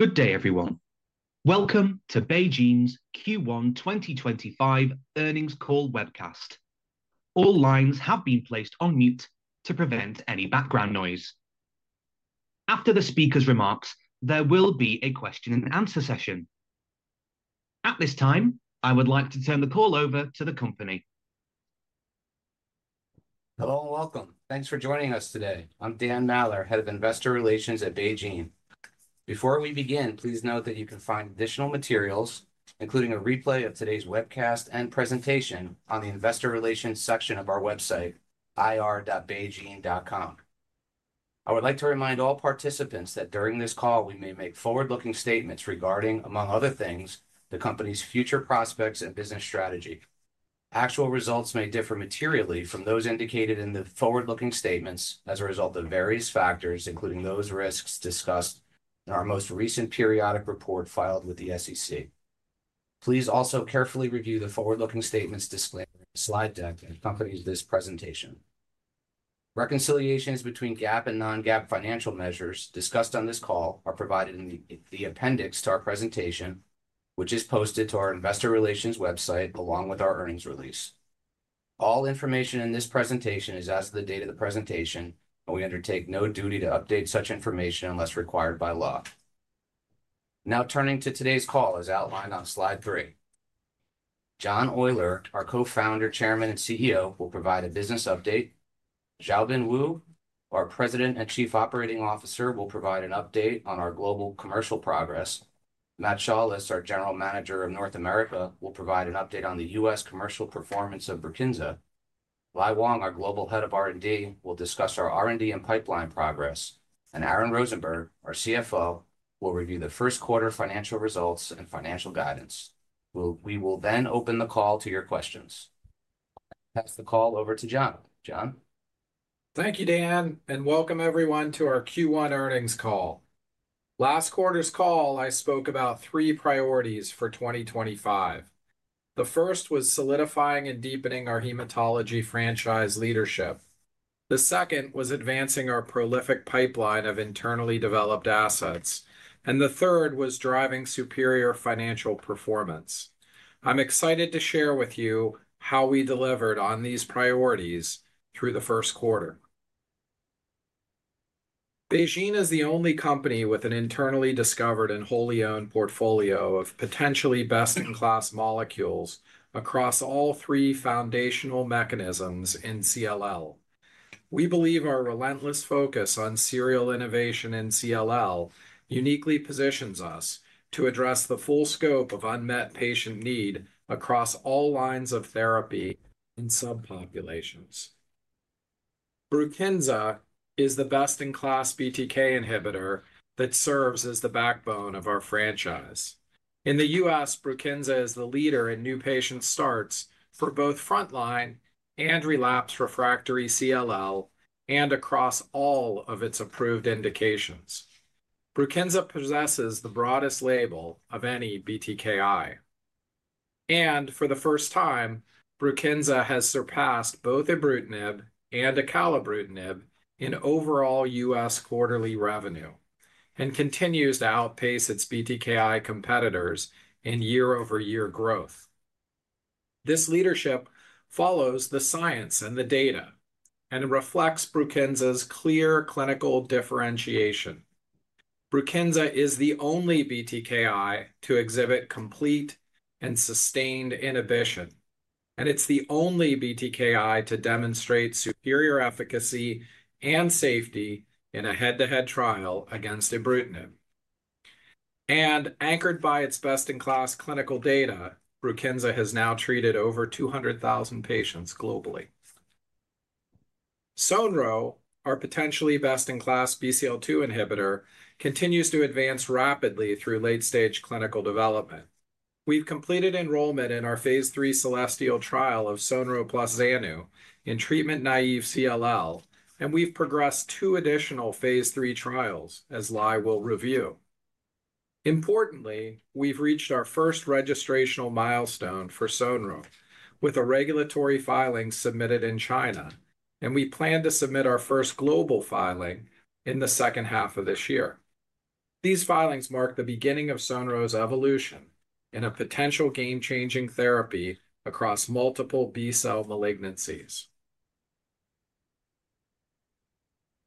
Good day, everyone. Welcome to BeOne Medicines' Q1 2025 earnings call webcast. All lines have been placed on mute to prevent any background noise. After the speaker's remarks, there will be a question-and-answer session. At this time, I would like to turn the call over to the company. Hello and welcome. Thanks for joining us today. I'm Dan Maller, Head of Investor Relations at BeOne Medicines. Before we begin, please note that you can find additional materials, including a replay of today's webcast and presentation, on the Investor Relations section of our website, ir.beonemedicines.com. I would like to remind all participants that during this call, we may make forward-looking statements regarding, among other things, the company's future prospects and business strategy. Actual results may differ materially from those indicated in the forward-looking statements as a result of various factors, including those risks discussed in our most recent periodic report filed with the SEC. Please also carefully review the forward-looking statements displayed in the slide deck that accompanies this presentation. Reconciliations between GAAP and non-GAAP financial measures discussed on this call are provided in the appendix to our presentation, which is posted to our Investor Relations website along with our earnings release. All information in this presentation is as of the date of the presentation, and we undertake no duty to update such information unless required by law. Now, turning to today's call, as outlined on slide three, John Oyler, our Co-Founder, Chairman, and CEO, will provide a business update. Xiaobin Wu, our President and Chief Operating Officer, will provide an update on our global commercial progress. Matt Shaulis, our General Manager of North America, will provide an update on the U.S. commercial performance of Brukinsa. Lai Wang, our Global Head of R&D, will discuss our R&D and pipeline progress. Aaron Rosenberg, our CFO, will review the first-quarter financial results and financial guidance. We will then open the call to your questions. I'll pass the call over to John. John? Thank you, Dan, and welcome everyone to our Q1 earnings call. Last quarter's call, I spoke about three priorities for 2025. The first was solidifying and deepening our hematology franchise leadership. The second was advancing our prolific pipeline of internally developed assets. The third was driving superior financial performance. I'm excited to share with you how we delivered on these priorities through the first quarter. BeOne is the only company with an internally discovered and wholly owned portfolio of potentially best-in-class molecules across all three foundational mechanisms in CLL. We believe our relentless focus on serial innovation in CLL uniquely positions us to address the full scope of unmet patient need across all lines of therapy in subpopulations. Brukinsa is the best-in-class BTK inhibitor that serves as the backbone of our franchise. In the U.S., Brukinsa is the leader in new patient starts for both frontline and relapse refractory CLL and across all of its approved indications. Brukinsa possesses the broadest label of any BTKI. For the first time, Brukinsa has surpassed both ibrutinib and acalabrutinib in overall U.S. quarterly revenue and continues to outpace its BTKI competitors in year-over-year growth. This leadership follows the science and the data and reflects Brukinsa's clear clinical differentiation. Brukinsa is the only BTKI to exhibit complete and sustained inhibition, and it is the only BTKI to demonstrate superior efficacy and safety in a head-to-head trial against ibrutinib. Anchored by its best-in-class clinical data, Brukinsa has now treated over 200,000 patients globally. Sonro, our potentially best-in-class BCL2 inhibitor, continues to advance rapidly through late-stage clinical development. We've completed enrollment in our phase III CELESTIAL trial of Sonrotoclax plus zanubrutinib in treatment-naive CLL, and we've progressed two additional phase III trials, as Lai will review. Importantly, we've reached our first registrational milestone for Sonrotoclax, with a regulatory filing submitted in China, and we plan to submit our first global filing in the second half of this year. These filings mark the beginning of Sonrotoclax's evolution in a potential game-changing therapy across multiple B-cell malignancies.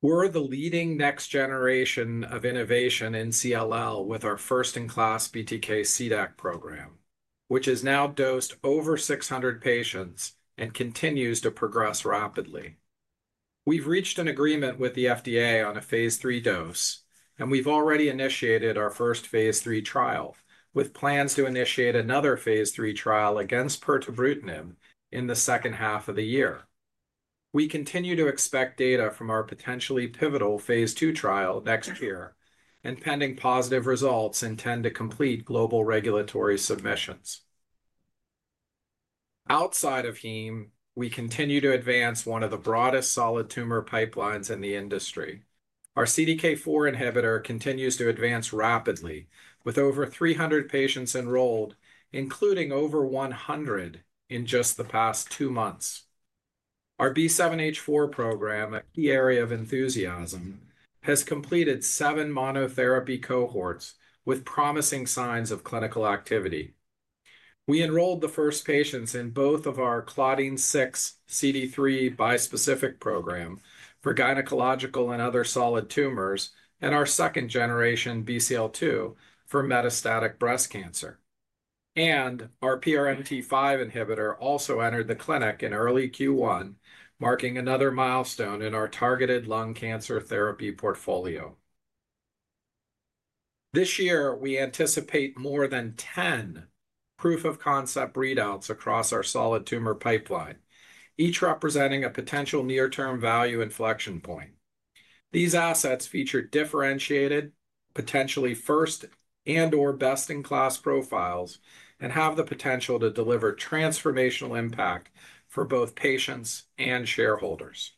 We're the leading next generation of innovation in CLL with our first-in-class BTK CDAC program, which has now dosed over 600 patients and continues to progress rapidly. We've reached an agreement with the FDA on a phase III dose, and we've already initiated our first phase III trial with plans to initiate another phase III trial against pirtobrutinib in the second half of the year. We continue to expect data from our potentially pivotal phase II trial next year and, pending positive results, intend to complete global regulatory submissions. Outside of HEME, we continue to advance one of the broadest solid tumor pipelines in the industry. Our CDK4 inhibitor continues to advance rapidly, with over 300 patients enrolled, including over 100 in just the past two months. Our B7-H4 program, a key area of enthusiasm, has completed seven monotherapy cohorts with promising signs of clinical activity. We enrolled the first patients in both of our Claudin 6 CD3 bispecific program for gynecological and other solid tumors and our second-generation BCL2 for metastatic breast cancer. Our PRMT5 inhibitor also entered the clinic in early Q1, marking another milestone in our targeted lung cancer therapy portfolio. This year, we anticipate more than 10 proof-of-concept readouts across our solid tumor pipeline, each representing a potential near-term value inflection point. These assets feature differentiated, potentially first and/or best-in-class profiles and have the potential to deliver transformational impact for both patients and shareholders.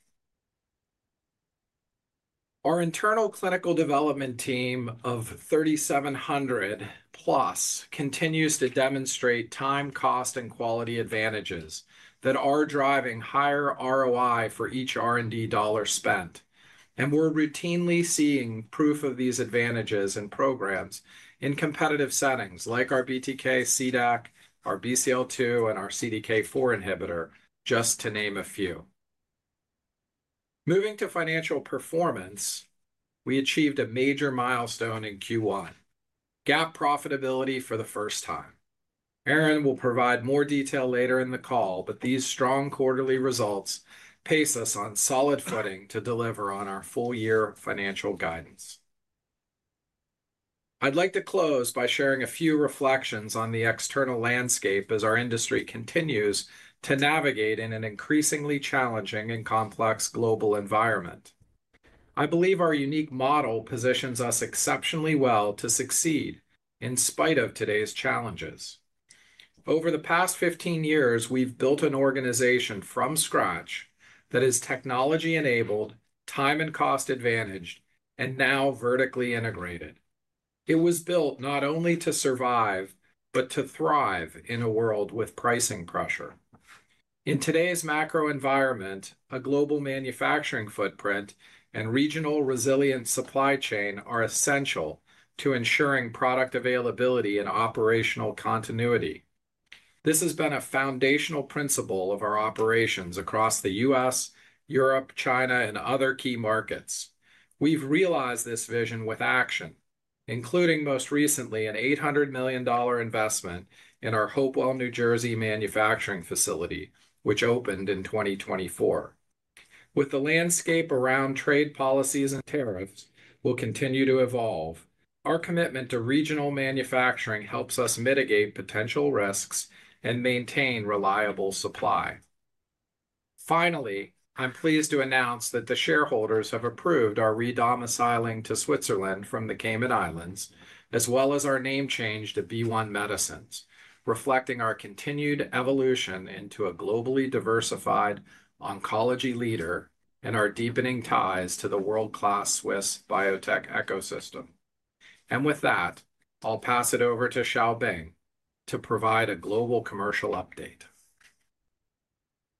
Our internal clinical development team of 3,700+ continues to demonstrate time, cost, and quality advantages that are driving higher ROI for each R&D dollar spent. We are routinely seeing proof of these advantages and programs in competitive settings like our BTK, CDAC, our BCL2, and our CDK4 inhibitor, just to name a few. Moving to financial performance, we achieved a major milestone in Q1: GAAP profitability for the first time. Aaron will provide more detail later in the call, but these strong quarterly results pace us on solid footing to deliver on our full-year financial guidance. I'd like to close by sharing a few reflections on the external landscape as our industry continues to navigate in an increasingly challenging and complex global environment. I believe our unique model positions us exceptionally well to succeed in spite of today's challenges. Over the past 15 years, we've built an organization from scratch that is technology-enabled, time and cost-advantaged, and now vertically integrated. It was built not only to survive but to thrive in a world with pricing pressure. In today's macro environment, a global manufacturing footprint and regional resilient supply chain are essential to ensuring product availability and operational continuity. This has been a foundational principle of our operations across the U.S., Europe, China, and other key markets. We've realized this vision with action, including most recently an $800 million investment in our Hopewell, New Jersey manufacturing facility, which opened in 2024. With the landscape around trade policies and tariffs will continue to evolve, our commitment to regional manufacturing helps us mitigate potential risks and maintain reliable supply. Finally, I'm pleased to announce that the shareholders have approved our redomiciling to Switzerland from the Cayman Islands, as well as our name change to BeOne Medicines, reflecting our continued evolution into a globally diversified oncology leader and our deepening ties to the world-class Swiss biotech ecosystem. I'll pass it over to Xiaobin to provide a global commercial update.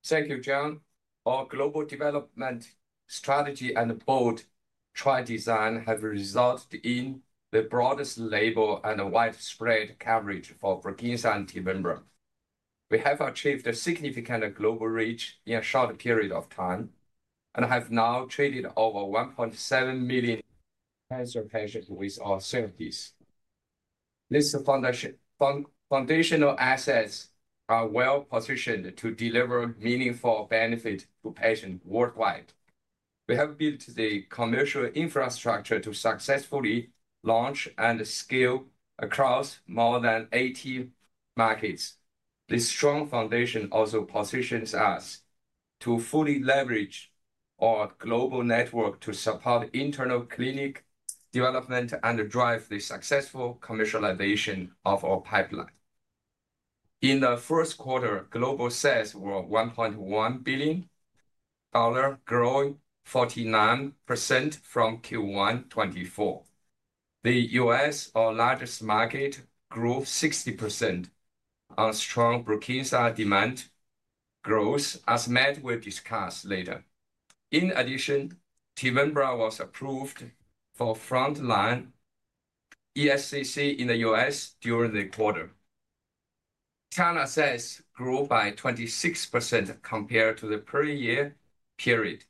Thank you, John. Our global development strategy and broad trial design have resulted in the broadest label and a widespread coverage for Brukinsa and Tevimbra. We have achieved a significant global reach in a short period of time and have now treated over 1.7 million cancer patients with our therapies. These foundational assets are well-positioned to deliver meaningful benefit to patients worldwide. We have built the commercial infrastructure to successfully launch and scale across more than 80 markets. This strong foundation also positions us to fully leverage our global network to support internal clinical development and drive the successful commercialization of our pipeline. In the first quarter, global sales were $1.1 billion, growing 49% from Q1 2024. The U.S., our largest market, grew 60% on strong Brukinsa demand growth, as Matt will discuss later. In addition, Tevimbra was approved for frontline ESCC in the U.S. during the quarter. China sales grew by 26% compared to the prior year period,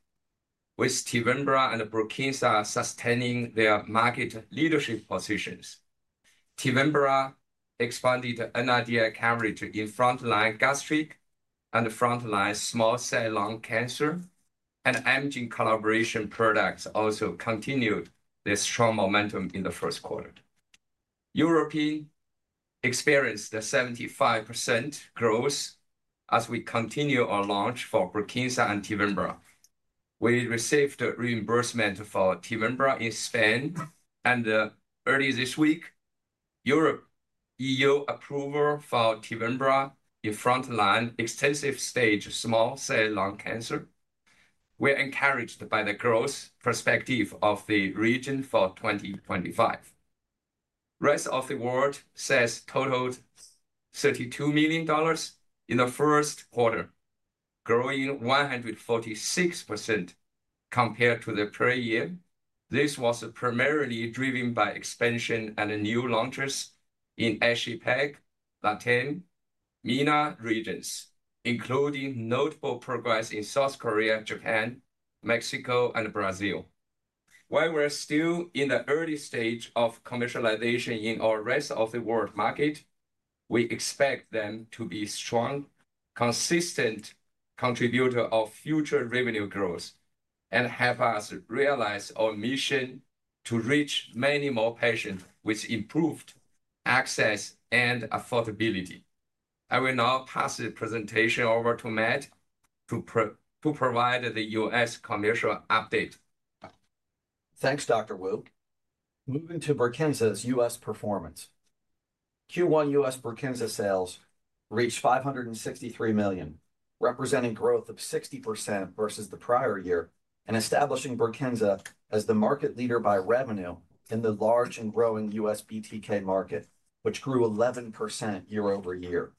with Tevimbra and Brukinsa sustaining their market leadership positions. Tevimbra expanded NRDL coverage in frontline gastric and frontline small cell lung cancer, and imaging collaboration products also continued their strong momentum in the first quarter. Europe experienced a 75% growth as we continue our launch for Brukinsa and Tevimbra. We received reimbursement for Tevimbra in Spain, and early this week, Europe/EU approval for Tevimbra in frontline extensive stage small cell lung cancer. We're encouraged by the growth perspective of the region for 2025. Rest of the world sales totaled $32 million in the first quarter, growing 146% compared to the prior year. This was primarily driven by expansion and new launches in AsiaPac, LATAM, MENA regions, including notable progress in South Korea, Japan, Mexico, and Brazil. While we're still in the early stage of commercialization in our rest of the world market, we expect them to be a strong, consistent contributor of future revenue growth and help us realize our mission to reach many more patients with improved access and affordability. I will now pass the presentation over to Matt to provide the U.S. commercial update. Thanks, Dr. Wu. Moving to Brukinsa's U.S. performance. Q1 U.S. Brukinsa sales reached $563 million, representing growth of 60% versus the prior year and establishing Brukinsa as the market leader by revenue in the large and growing U.S. BTK market, which grew 11% year-over-year.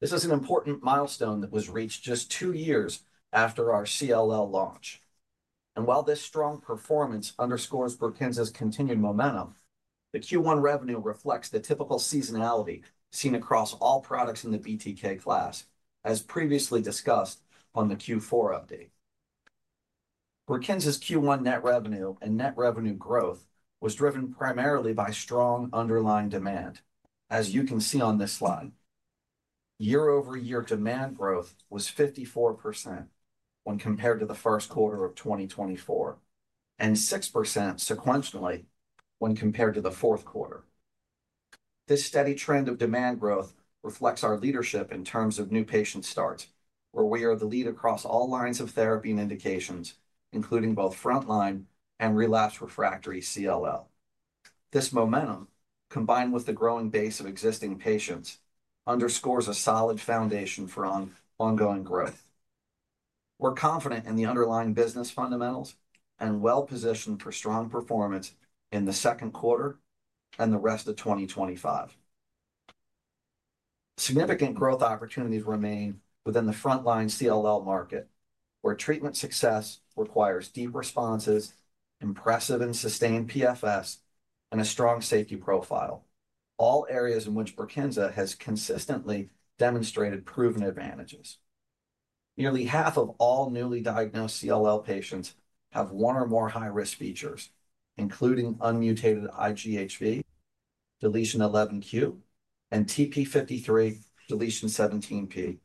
This is an important milestone that was reached just two years after our CLL launch. While this strong performance underscores Brukinsa's continued momentum, the Q1 revenue reflects the typical seasonality seen across all products in the BTK class, as previously discussed on the Q4 update. Brukinsa's Q1 net revenue and net revenue growth was driven primarily by strong underlying demand, as you can see on this slide. Year-over-year demand growth was 54% when compared to the first quarter of 2024 and 6% sequentially when compared to the fourth quarter. This steady trend of demand growth reflects our leadership in terms of new patient starts, where we are the lead across all lines of therapy and indications, including both frontline and relapsed refractory CLL. This momentum, combined with the growing base of existing patients, underscores a solid foundation for ongoing growth. We're confident in the underlying business fundamentals and well-positioned for strong performance in the second quarter and the rest of 2025. Significant growth opportunities remain within the frontline CLL market, where treatment success requires deep responses, impressive and sustained PFS, and a strong safety profile, all areas in which Brukinsa has consistently demonstrated proven advantages. Nearly half of all newly diagnosed CLL patients have one or more high-risk features, including unmutated IgHV, deletion 11q, and TP53, deletion 17p,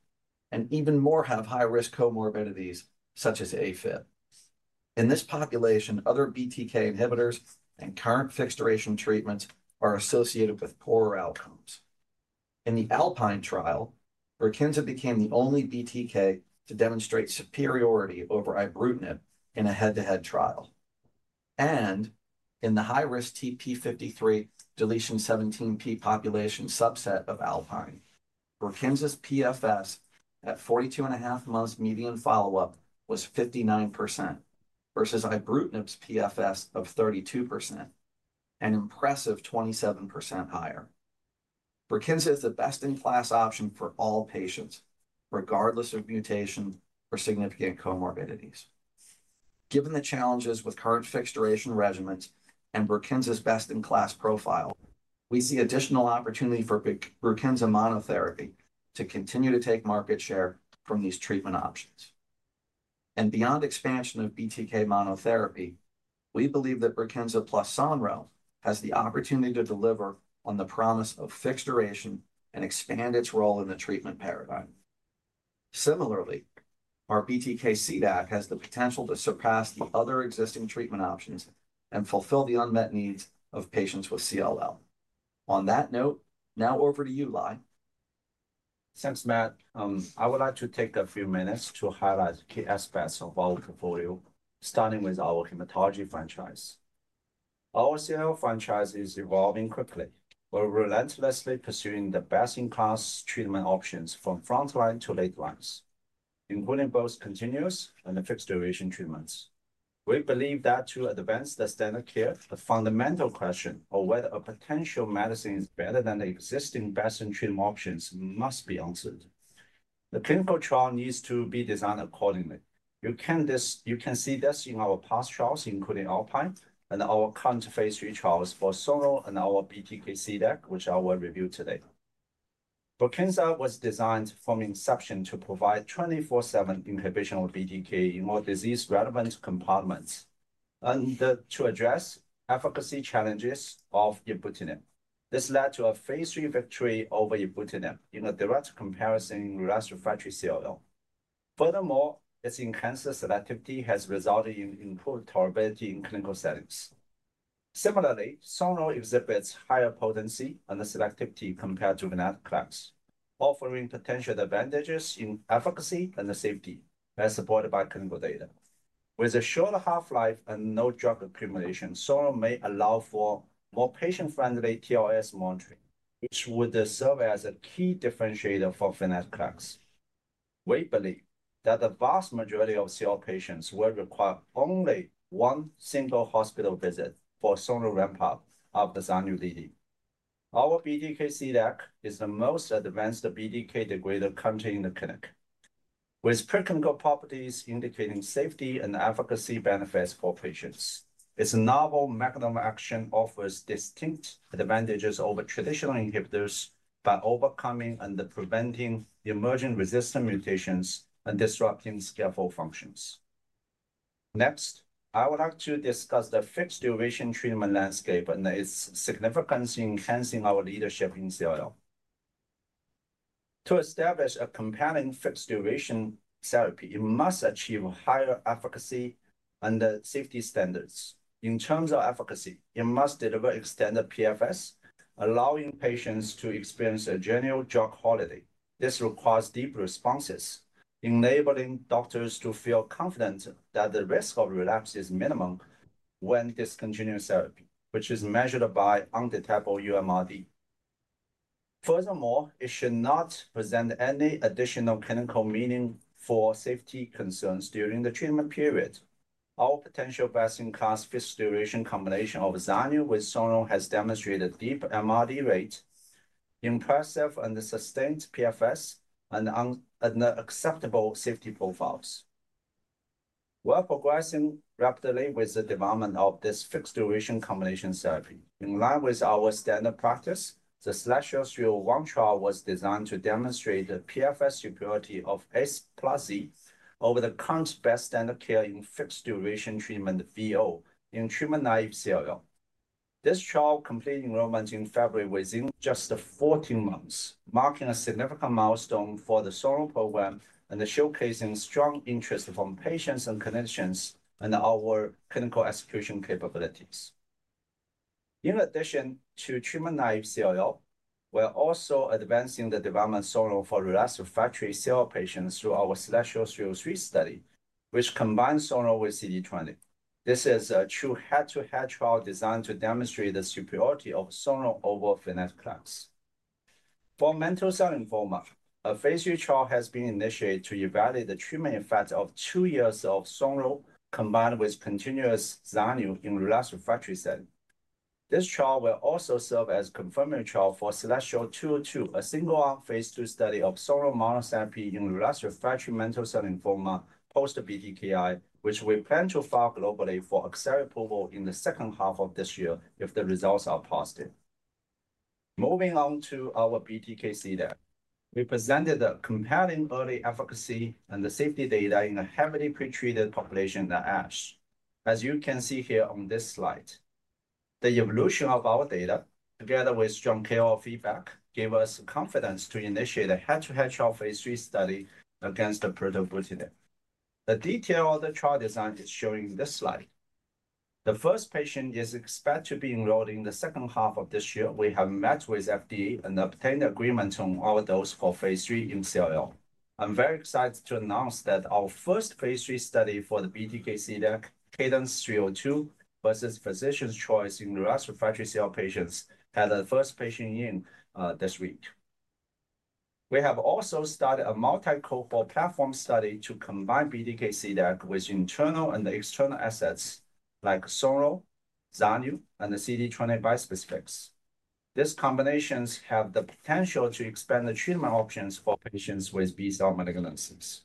and even more have high-risk comorbidities such as AFib. In this population, other BTK inhibitors and current fixed duration treatments are associated with poorer outcomes. In the ALPINE trial, Brukinsa became the only BTK to demonstrate superiority over ibrutinib in a head-to-head trial. In the high-risk TP53, deletion 17p population subset of ALPINE, Brukinsa's PFS at 42.5 months median follow-up was 59% versus ibrutinib's PFS of 32%, an impressive 27% higher. Brukinsa is the best-in-class option for all patients, regardless of mutation or significant comorbidities. Given the challenges with current fixed duration regimens and Brukinsa's best-in-class profile, we see additional opportunity for Brukinsa monotherapy to continue to take market share from these treatment options. Beyond expansion of BTK monotherapy, we believe that Brukinsa plus sonrotoclax has the opportunity to deliver on the promise of fixed duration and expand its role in the treatment paradigm. Similarly, our BTK-CDAC has the potential to surpass the other existing treatment options and fulfill the unmet needs of patients with CLL. On that note, now over to you, Lai. Thanks, Matt. I would like to take a few minutes to highlight key aspects of our portfolio, starting with our hematology franchise. Our CLL franchise is evolving quickly. We're relentlessly pursuing the best-in-class treatment options from frontline to late lines, including both continuous and fixed duration treatments. We believe that to advance the standard care, the fundamental question of whether a potential medicine is better than the existing best-in-treatment options must be answered. The clinical trial needs to be designed accordingly. You can see this in our past trials, including ALPINE and our current phase III trials for sonrotoclax and our BTK-CDAC, which I will review today. Brukinsa was designed from inception to provide 24/7 inhibition of BTK in all disease-relevant compartments and to address efficacy challenges of ibrutinib. This led to a phase III victory over ibrutinib in a direct comparison in relapsed refractory CLL. Furthermore, its enhanced selectivity has resulted in improved tolerability in clinical settings. Similarly, sonrotoclax exhibits higher potency and selectivity compared to another class, offering potential advantages in efficacy and safety as supported by clinical data. With a short half-life and no drug accumulation, sonrotoclax may allow for more patient-friendly TLS monitoring, which would serve as a key differentiator for finance cracks. We believe that the vast majority of CLL patients will require only one single hospital visit for sonrotoclax ramp-up after safety lead-in. Our BTK-CDAC is the most advanced BTK degrader to contain the clinic, with preclinical properties indicating safety and efficacy benefits for patients. Its novel mechanism of action offers distinct advantages over traditional inhibitors by overcoming and preventing emerging resistant mutations and disrupting scaffold functions. Next, I would like to discuss the fixed duration treatment landscape and its significance in enhancing our leadership in CLL. To establish a compelling fixed duration therapy, it must achieve higher efficacy and safety standards. In terms of efficacy, it must deliver extended PFS, allowing patients to experience a general drug holiday. This requires deep responses, enabling doctors to feel confident that the risk of relapse is minimum when discontinuing therapy, which is measured by undetectable MRD. Furthermore, it should not present any additional clinical meaning for safety concerns during the treatment period. Our potential best-in-class fixed duration combination of Brukinsa with sonrotoclax has demonstrated deep MRD rates, impressive and sustained PFS, and acceptable safety profiles. We're progressing rapidly with the development of this fixed duration combination therapy. In line with our standard practice, the CELESTIAL trial was designed to demonstrate the PFS superiority of Sonro plus Brukinsa over the current best-standard care in fixed duration treatment VO in treatment naive CLL. This trial completed enrollment in February within just 14 months, marking a significant milestone for the sonrotoclax program and showcasing strong interest from patients and clinicians and our clinical execution capabilities. In addition to treatment naive CLL, we're also advancing the development of sonrotoclax for relapsed refractory CLL patients through our CELESTIAL phase III study, which combines sonrotoclax with CD20. This is a true head-to-head trial designed to demonstrate the superiority of sonrotoclax over venetoclax. For mantle cell lymphoma, a phase III trial has been initiated to evaluate the treatment effect of two years of sonrotoclax combined with continuous zanubrutinib in relapsed refractory setting. This trial will also serve as a confirmatory trial for CELESTIAL 202, a single-arm phase II study of sonrotoclax monotherapy in relapsed refractory mantle cell lymphoma post-BTK inhibitor, which we plan to file globally for accelerated approval in the second half of this year if the results are positive. Moving on to our BTK-CDAC, we presented compelling early efficacy and safety data in a heavily pretreated population that, as you can see here on this slide, the evolution of our data, together with strong KOL feedback, gave us confidence to initiate a head-to-head trial phase III study against pirtobrutinib. The detail of the trial design is shown in this slide. The first patient is expected to be enrolled in the second half of this year. We have met with FDA and obtained agreement on our dose for phase III in CLL. I'm very excited to announce that our first phase III study for the BTK-CDAC, Cadence Serial 2 versus physician's choice in relapsed refractory CLL patients, had the first patient in this week. We have also started a multi-cohort platform study to combine BTK-CDAC with internal and external assets like sonrotoclax, zanubrutinib, and the CD20 bispecifics. These combinations have the potential to expand the treatment options for patients with BCL2 malignancies.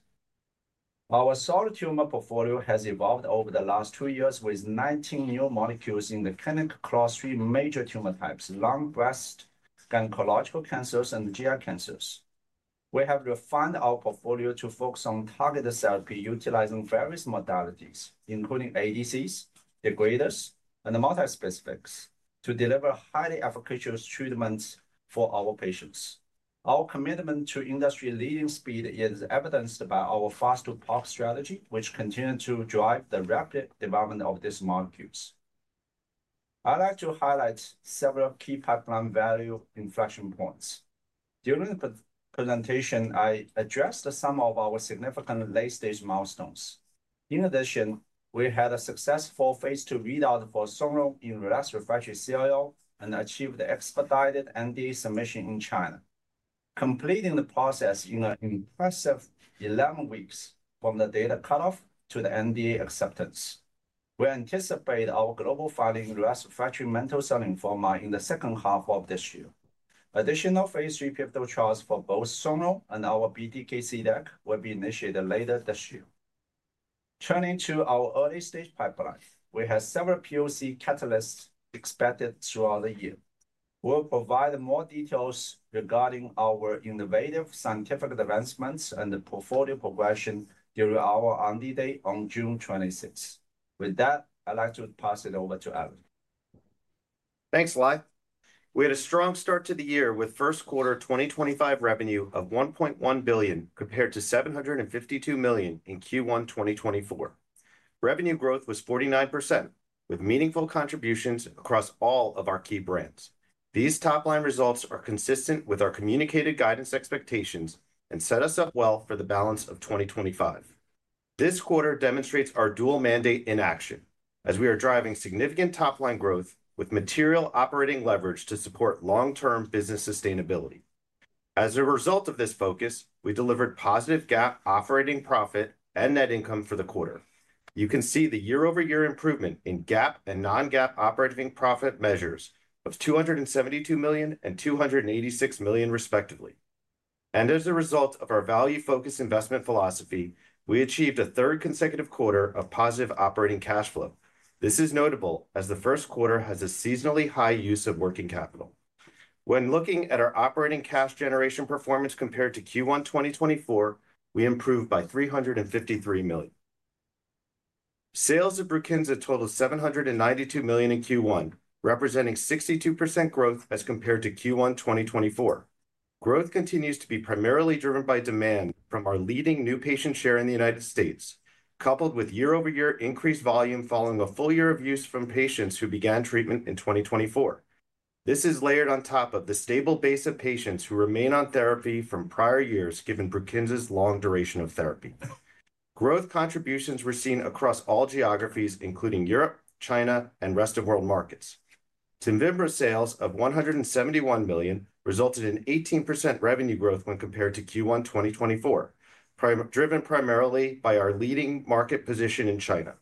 Our solid tumor portfolio has evolved over the last two years with 19 new molecules in the clinic across three major tumor types: lung, breast, gynecological cancers, and GI cancers. We have refined our portfolio to focus on targeted therapy utilizing various modalities, including ADCs, degraders, and the multispecifics, to deliver highly efficacious treatments for our patients. Our commitment to industry leading speed is evidenced by our fast-to-pop strategy, which continues to drive the rapid development of these molecules. I'd like to highlight several key pipeline value inflection points. During the presentation, I addressed some of our significant late-stage milestones. In addition, we had a successful phase II readout for sonrotoclax in relapsed refractory CLL and achieved the expedited NDA submission in China, completing the process in an impressive 11 weeks from the data cutoff to the NDA acceptance. We anticipate our global filing in relapsed refractory mantle cell lymphoma in the second half of this year. Additional phase III pivotal trials for both sonrotoclax and our BTK-CDAC will be initiated later this year. Turning to our early-stage pipeline, we have several POC catalysts expected throughout the year. We'll provide more details regarding our innovative scientific advancements and the portfolio progression during our R&D Day on June 26th. With that, I'd like to pass it over to Aaron. Thanks, Lai. We had a strong start to the year with first quarter 2025 revenue of $1.1 billion compared to $752 million in Q1 2024. Revenue growth was 49%, with meaningful contributions across all of our key brands. These top-line results are consistent with our communicated guidance expectations and set us up well for the balance of 2025. This quarter demonstrates our dual mandate in action, as we are driving significant top-line growth with material operating leverage to support long-term business sustainability. As a result of this focus, we delivered positive GAAP operating profit and net income for the quarter. You can see the year-over-year improvement in GAAP and non-GAAP operating profit measures of $272 million and $286 million, respectively. As a result of our value-focused investment philosophy, we achieved a third consecutive quarter of positive operating cash flow. This is notable as the first quarter has a seasonally high use of working capital. When looking at our operating cash generation performance compared to Q1 2024, we improved by $353 million. Sales of Brukinsa totaled $792 million in Q1, representing 62% growth as compared to Q1 2024. Growth continues to be primarily driven by demand from our leading new patient share in the U.S., coupled with year-over-year increased volume following a full year of use from patients who began treatment in 2024. This is layered on top of the stable base of patients who remain on therapy from prior years, given Brukinsa's long duration of therapy. Growth contributions were seen across all geographies, including Europe, China, and the rest of world markets. Tevimbra sales of $171 million resulted in 18% revenue growth when compared to Q1 2024, driven primarily by our leading market position in China.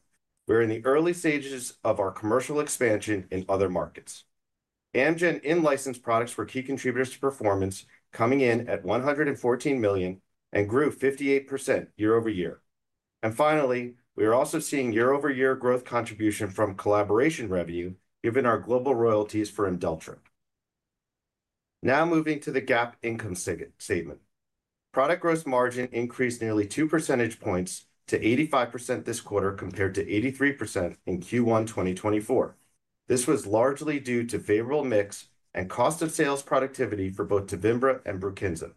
We're in the early stages of our commercial expansion in other markets. Amgen in-licensed products were key contributors to performance, coming in at $114 million and grew 58% year-over-year. Finally, we are also seeing year-over-year growth contribution from collaboration revenue, given our global royalties for Imdelltra. Now moving to the GAAP income statement. Product gross margin increased nearly two percentage points to 85% this quarter compared to 83% in Q1 2024. This was largely due to favorable mix and cost of sales productivity for both Tevimbra and Brukinsa.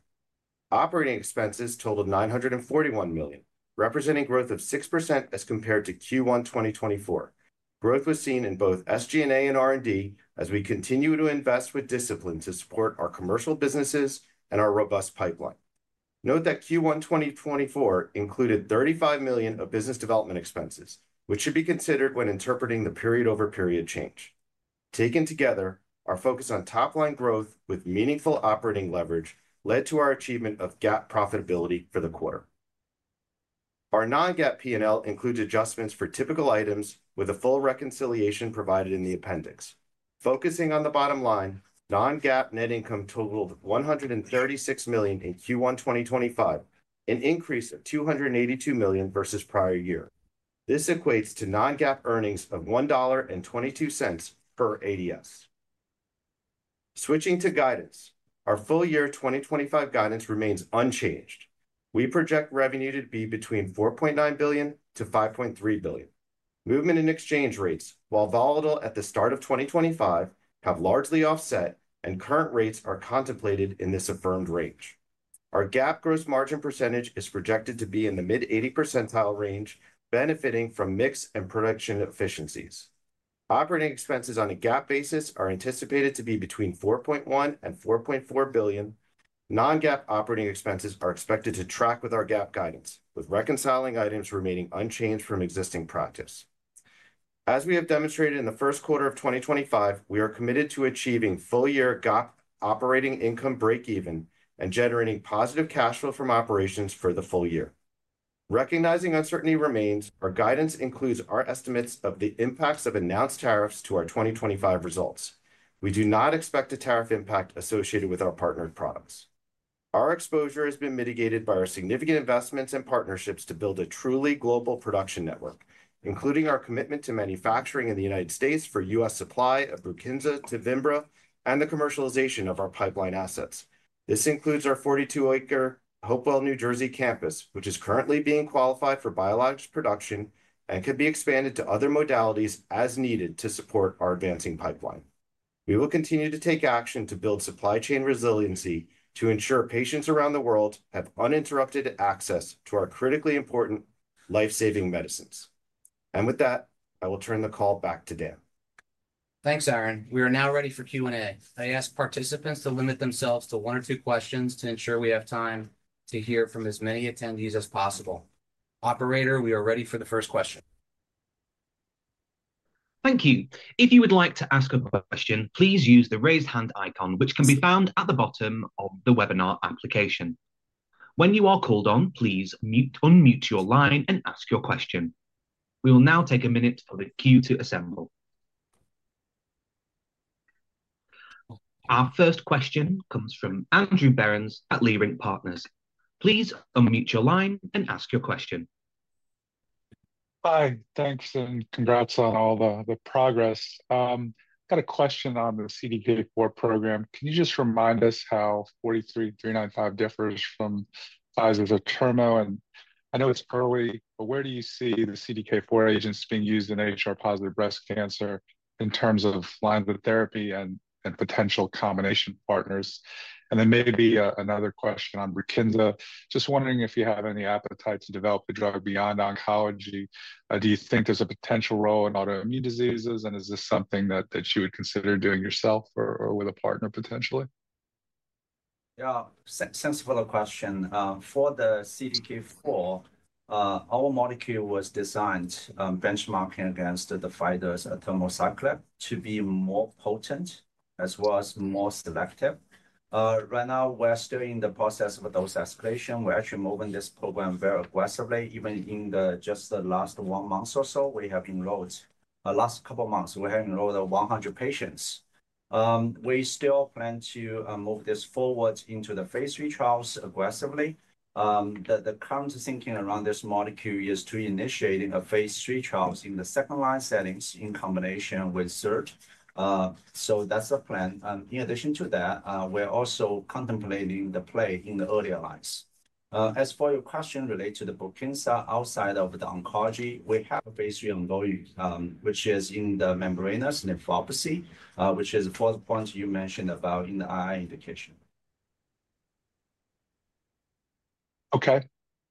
Operating expenses totaled $941 million, representing growth of 6% as compared to Q1 2024. Growth was seen in both SG&A and R&D as we continue to invest with discipline to support our commercial businesses and our robust pipeline. Note that Q1 2024 included $35 million of business development expenses, which should be considered when interpreting the period-over-period change. Taken together, our focus on top-line growth with meaningful operating leverage led to our achievement of GAAP profitability for the quarter. Our non-GAAP P&L includes adjustments for typical items, with a full reconciliation provided in the appendix. Focusing on the bottom line, non-GAAP net income totaled $136 million in Q1 2025, an increase of $282 million versus prior year. This equates to non-GAAP earnings of $1.22 per ADS. Switching to guidance, our full year 2025 guidance remains unchanged. We project revenue to be between $4.9 billion-$5.3 billion. Movement in exchange rates, while volatile at the start of 2025, have largely offset, and current rates are contemplated in this affirmed range. Our GAAP gross margin percentage is projected to be in the mid-80% range, benefiting from mix and production efficiencies. Operating expenses on a GAAP basis are anticipated to be between $4.1 billion-$4.4 billion. Non-GAAP operating expenses are expected to track with our GAAP guidance, with reconciling items remaining unchanged from existing practice. As we have demonstrated in the first quarter of 2025, we are committed to achieving full-year GAAP operating income break-even and generating positive cash flow from operations for the full year. Recognizing uncertainty remains, our guidance includes our estimates of the impacts of announced tariffs to our 2025 results. We do not expect a tariff impact associated with our partnered products. Our exposure has been mitigated by our significant investments and partnerships to build a truly global production network, including our commitment to manufacturing in the U.S. for U.S. supply of Brukinsa, Tevimbra, and the commercialization of our pipeline assets. This includes our 42-acre Hopewell, New Jersey campus, which is currently being qualified for biologics production and could be expanded to other modalities as needed to support our advancing pipeline. We will continue to take action to build supply chain resiliency to ensure patients around the world have uninterrupted access to our critically important lifesaving medicines. With that, I will turn the call back to Dan. Thanks, Aaron. We are now ready for Q&A. I ask participants to limit themselves to one or two questions to ensure we have time to hear from as many attendees as possible. Operator, we are ready for the first question. Thank you. If you would like to ask a question, please use the raised hand icon, which can be found at the bottom of the webinar application. When you are called on, please unmute your line and ask your question. We will now take a minute for the queue to assemble. Our first question comes from Andrew Berens at Leerink Partners. Please unmute your line and ask your question. Hi, thanks, and congrats on all the progress. I've got a question on the CDK4 program. Can you just remind us how 43395 differs from Pfizer's Ibrance? I know it's early, but where do you see the CDK4 agents being used in HR-positive breast cancer in terms of lines of therapy and potential combination partners? Maybe another question on Brukinsa. Just wondering if you have any appetite to develop the drug beyond oncology. Do you think there's a potential role in autoimmune diseases, and is this something that you would consider doing yourself or with a partner potentially? Yeah, sensible question. For the CDK4, our molecule was designed benchmarking against Pfizer's palbociclib to be more potent as well as more selective. Right now, we're still in the process of dose escalation. We're actually moving this program very aggressively. Even in just the last one month or so, we have enrolled, the last couple of months, we have enrolled 100 patients. We still plan to move this forward into the phase III trials aggressively. The current thinking around this molecule is to initiate a phase III trial in the second-line settings in combination with Cert. That's the plan. In addition to that, we're also contemplating the play in the earlier lines. As for your question related to the Brukinsa outside of oncology, we have a phase III ongoing, which is in membranous nephropathy, which is the fourth point you mentioned about in the II indication. Okay,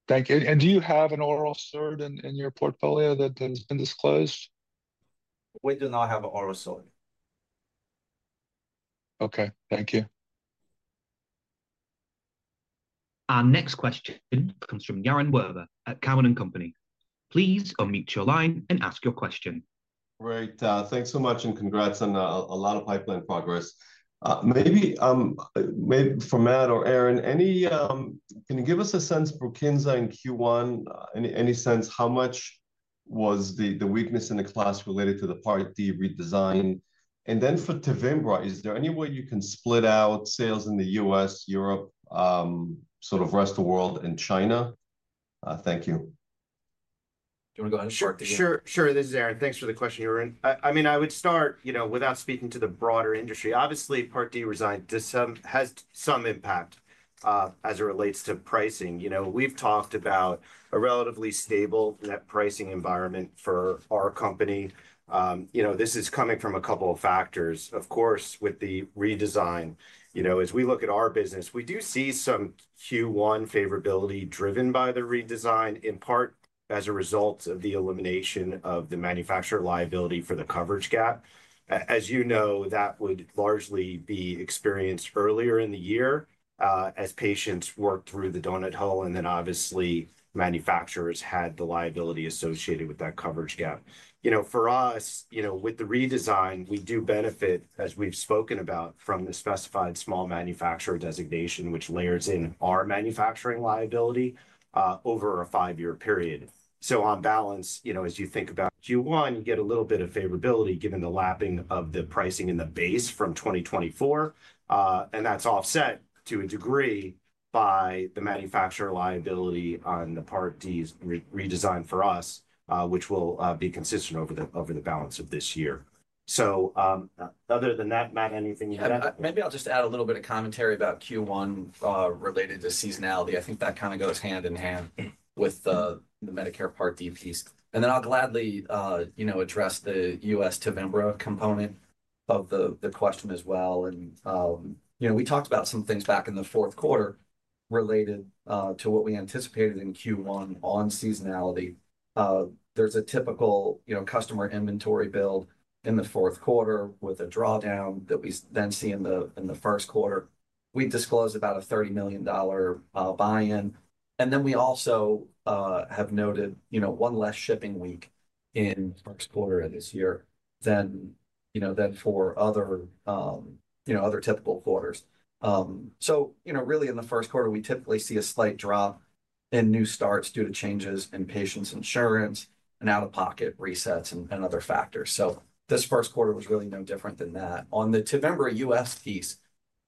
thank you. Do you have an oral Cert in your portfolio that has been disclosed? We do not have an oral cert. Okay, thank you. Our next question comes from Yaron Werber at Cowen & Company. Please unmute your line and ask your question. Great. Thanks so much, and congrats on a lot of pipeline progress. Maybe from Matt or Aaron, can you give us a sense of Brukinsa in Q1? Any sense how much was the weakness in the class related to the Part D redesign? For Tevimbra, is there any way you can split out sales in the U.S., Europe, sort of rest of the world, and China? Thank you. Do you want to go ahead and start? Sure, sure. This is Aaron. Thanks for the question, Yaron. I mean, I would start, you know, without speaking to the broader industry. Obviously, Part D redesign has some impact as it relates to pricing. You know, we've talked about a relatively stable net pricing environment for our company. You know, this is coming from a couple of factors. Of course, with the redesign, you know, as we look at our business, we do see some Q1 favorability driven by the redesign, in part as a result of the elimination of the manufacturer liability for the coverage gap. As you know, that would largely be experienced earlier in the year as patients work through the donut hole, and then obviously manufacturers had the liability associated with that coverage gap. You know, for us, you know, with the redesign, we do benefit, as we've spoken about, from the specified small manufacturer designation, which layers in our manufacturing liability over a five-year period. On balance, you know, as you think about Q1, you get a little bit of favorability given the lapping of the pricing in the base from 2024, and that's offset to a degree by the manufacturer liability on the Part D redesign for us, which will be consistent over the balance of this year. Other than that, Matt, anything you had? Maybe I'll just add a little bit of commentary about Q1 related to seasonality. I think that kind of goes hand in hand with the Medicare Part D piece. I will gladly, you know, address the U.S. Tevimbra component of the question as well. You know, we talked about some things back in the fourth quarter related to what we anticipated in Q1 on seasonality. There is a typical, you know, customer inventory build in the fourth quarter with a drawdown that we then see in the first quarter. We disclosed about a $30 million buy-in. We also have noted, you know, one less shipping week in the fourth quarter of this year than, you know, than for other, you know, other typical quarters. You know, really in the first quarter, we typically see a slight drop in new starts due to changes in patient's insurance and out-of-pocket resets and other factors. This first quarter was really no different than that. On the Tevimbra U.S. piece,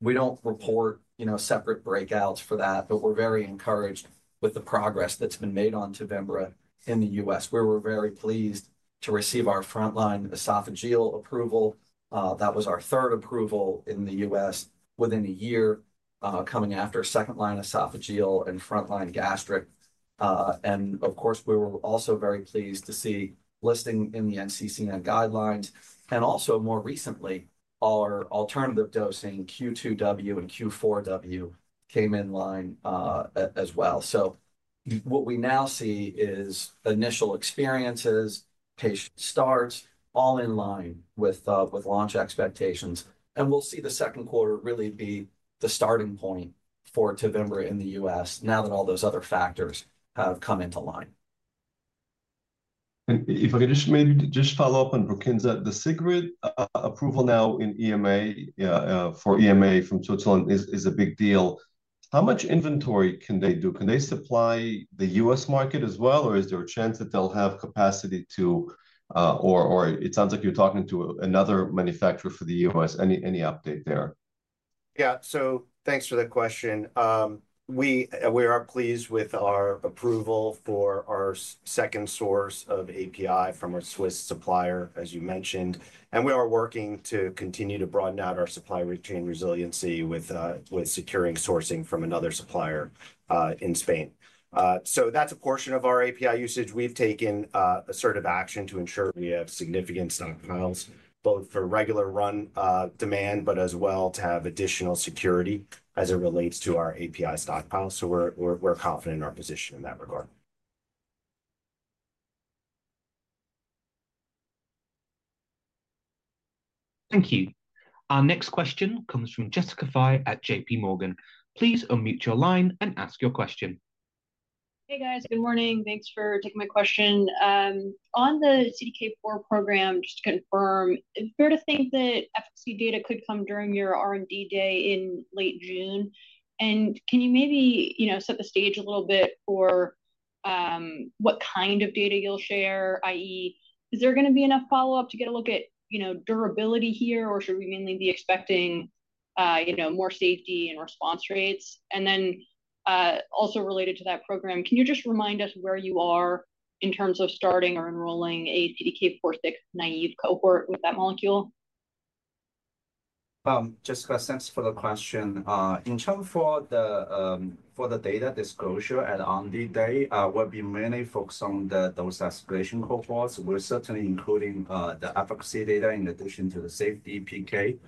we do not report, you know, separate breakouts for that, but we are very encouraged with the progress that has been made on Tevimbra in the U.S. We were very pleased to receive our frontline esophageal approval. That was our third approval in the U.S. within a year coming after second-line esophageal and frontline gastric. Of course, we were also very pleased to see listing in the NCCN guidelines. More recently, our alternative dosing Q2W and Q4W came in line as well. What we now see is initial experiences, patient starts, all in line with launch expectations. We will see the second quarter really be the starting point for Tevimbra in the U.S. now that all those other factors have come into line. If I could just maybe just follow up on Brukinsa, the approval now in EMA for EMA from Switzerland is a big deal. How much inventory can they do? Can they supply the U.S. market as well, or is there a chance that they'll have capacity to, or it sounds like you're talking to another manufacturer for the U.S.? Any update there? Yeah, thanks for the question. We are pleased with our approval for our second source of API from our Swiss supplier, as you mentioned. We are working to continue to broaden out our supply chain resiliency with securing sourcing from another supplier in Spain. That is a portion of our API usage. We have taken assertive action to ensure we have significant stockpiles, both for regular run demand, but as well to have additional security as it relates to our API stockpile. We are confident in our position in that regard. Thank you. Our next question comes from Jessica Fye at JPMorgan. Please unmute your line and ask your question. Hey, guys, good morning. Thanks for taking my question. On the CDK4 program, just to confirm, is it fair to think that FSC data could come during your R&D day in late June? Can you maybe, you know, set the stage a little bit for what kind of data you'll share, i.e., is there going to be enough follow-up to get a look at, you know, durability here, or should we mainly be expecting, you know, more safety and response rates? Also related to that program, can you just remind us where you are in terms of starting or enrolling a CDK4/6 naive cohort with that molecule? Jessica, thanks for the question. In terms for the data disclosure at R&D day, we'll be mainly focused on the dose escalation cohorts. We're certainly including the efficacy data in addition to the safety PK.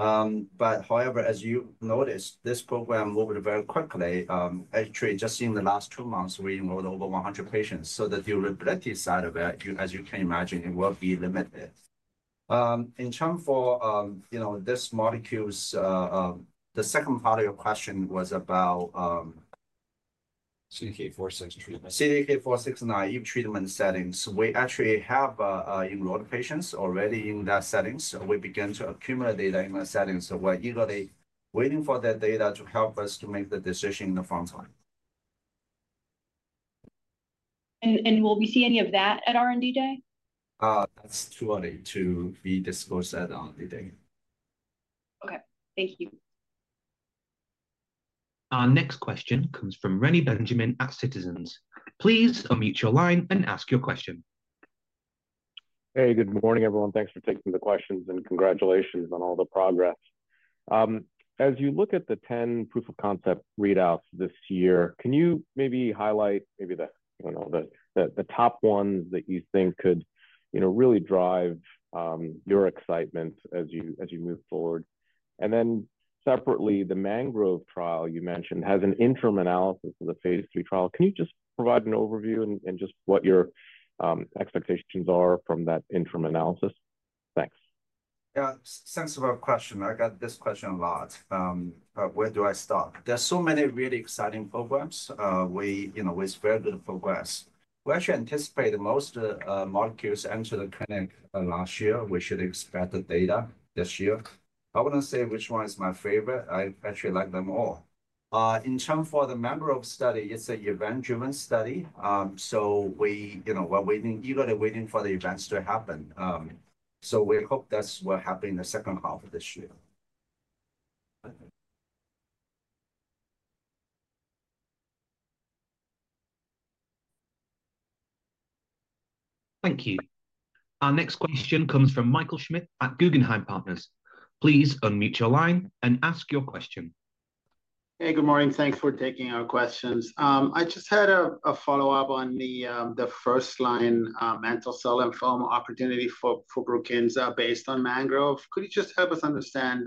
However, as you noticed, this program moved very quickly. Actually, just in the last two months, we enrolled over 100 patients. The durability side of it, as you can imagine, it will be limited. In terms for, you know, this molecule's, the second part of your question was about CDK4/6 treatment. CDK4/6 naive treatment settings. We actually have enrolled patients already in that setting. We began to accumulate data in that setting. We're eagerly waiting for that data to help us to make the decision in the front line. Will we see any of that at R&D Day? That's too early to be disclosed at R&D Day. Okay, thank you. Our next question comes from Reni Benjamin at Citizens. Please unmute your line and ask your question. Hey, good morning, everyone. Thanks for taking the questions and congratulations on all the progress. As you look at the 10 proof of concept readouts this year, can you maybe highlight maybe the top ones that you think could, you know, really drive your excitement as you move forward? Separately, the MANGROVE trial you mentioned has an interim analysis of the phase III trial. Can you just provide an overview and just what your expectations are from that interim analysis? Thanks. Yeah, sensible question. I got this question a lot. Where do I start? There's so many really exciting programs. We, you know, we're very good at progress. We actually anticipate most molecules entered the clinic last year. We should expect the data this year. I want to say which one is my favorite. I actually like them all. In terms for the MANGROVE study, it's an event-driven study. We, you know, we're eagerly waiting for the events to happen. We hope that's what happened in the second half of this year. Thank you. Our next question comes from Michael Schmidt at Guggenheim Partners. Please unmute your line and ask your question. Hey, good morning. Thanks for taking our questions. I just had a follow-up on the first-line mantle cell lymphoma opportunity for Brukinsa based on MANGROVE. Could you just help us understand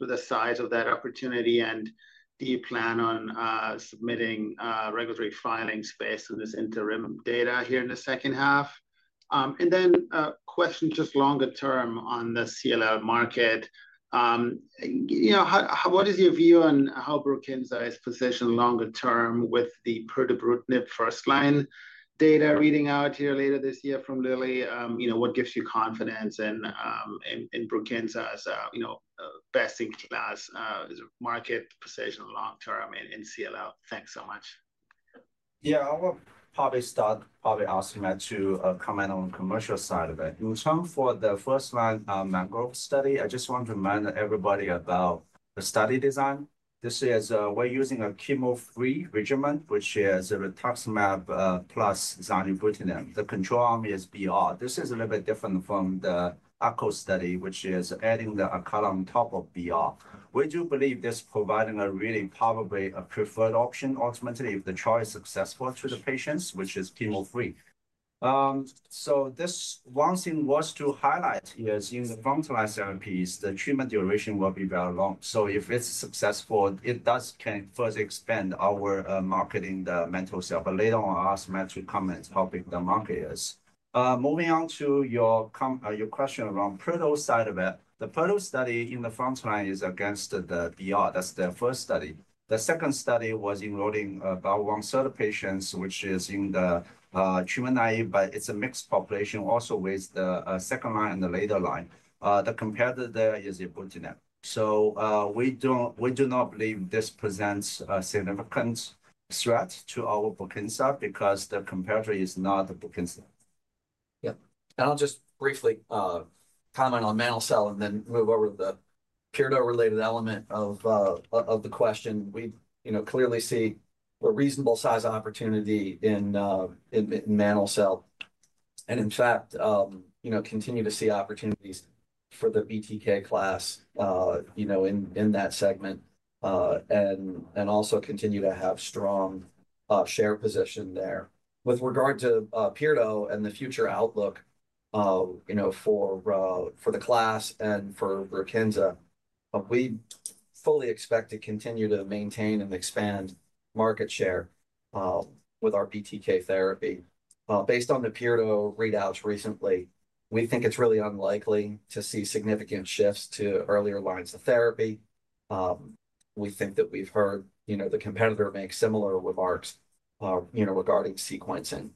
the size of that opportunity and do you plan on submitting regulatory filings based on this interim data here in the second half? A question just longer term on the CLL market. You know, what is your view on how Brukinsa is positioned longer term with the pirtobrutinib first-line data reading out here later this year from Lilly? You know, what gives you confidence in Brukinsa as a, you know, best-in-class market position long-term in CLL? Thanks so much. Yeah, I will probably start asking Matt to comment on the commercial side of it. In terms for the first-line MANGROVE study, I just want to remind everybody about the study design. This is we're using a chemo-free regimen, which is a rituximab plus zanubrutinib. The control arm is BR. This is a little bit different from the ACO study, which is adding the acal on top of BR. We do believe this is providing a really probably a preferred option ultimately if the trial is successful to the patients, which is chemo-free. One thing worth to highlight is in the frontline therapies, the treatment duration will be very long. If it's successful, it can further expand our marketing in mantle cell, but later on, I'll ask Matt to comment how big the market is. Moving on to your question around Purdue side of it, the Purdue study in the front line is against the BR. That's the first study. The second study was enrolling about 1/3 of patients, which is in the treatment naive, but it's a mixed population also with the second line and the later line. The competitor there is ibrutinib. We do not believe this presents a significant threat to our Brukinsa because the competitor is not Brukinsa. Yeah. I'll just briefly comment on mantle cell and then move over to the Purdue-related element of the question. We, you know, clearly see a reasonable size opportunity in mantle cell. In fact, you know, continue to see opportunities for the BTK class, you know, in that segment and also continue to have strong share position there. With regard to Purdue and the future outlook, you know, for the class and for Brukinsa, we fully expect to continue to maintain and expand market share with our BTK therapy. Based on the Purdue readouts recently, we think it's really unlikely to see significant shifts to earlier lines of therapy. We think that we've heard, you know, the competitor make similar remarks, you know, regarding sequencing.